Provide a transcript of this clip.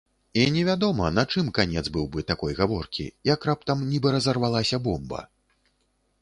І невядома, на чым канец быў бы такой гаворкі, як раптам нібы разарвалася бомба.